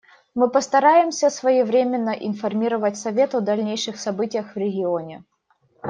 Мы постараемся своевременно информировать Совет о дальнейших событиях в регионе.